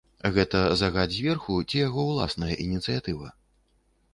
Гэта загад зверху ці яго ўласная ініцыятыва?